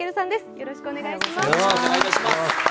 よろしくお願いします。